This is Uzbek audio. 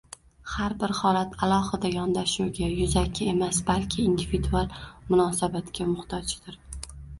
har bir holat alohida yondoshuvga, yuzaki emas, balki individual munosabatga muhtojdir.